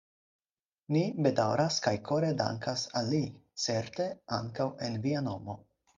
Ni bedaŭras kaj kore dankas al li, certe ankaŭ en via nomo.